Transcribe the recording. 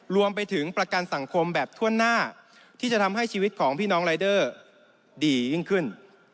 รวมไปถึงประกันสังคมแบบถ้วนหน้าที่จะทำให้ชีวิตของพี่น้องรายเดอร์ดียิ่งขึ้น